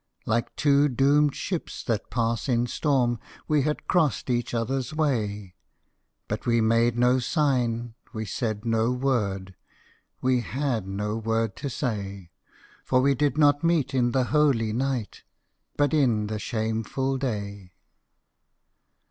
Like two doomed ships that pass in storm We had crossed each otherâs way: But we made no sign, we said no word, We had no word to say; For we did not meet in the holy night, But in the shameful day.